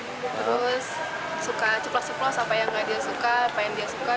terus suka cuplos ceplos apa yang gak dia suka apa yang dia suka